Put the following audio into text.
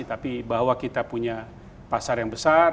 tapi bahwa kita punya pasar yang besar